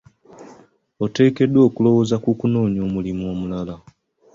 Oteekeddwa okulowooza ku kunoonya omulimu omulala.